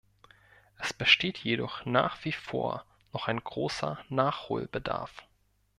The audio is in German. Es besteht jedoch nach wie vor noch ein großer Nachholbedarf.